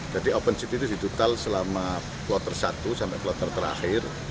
jadi open seat itu ditutup selama kloter satu sampai kloter terakhir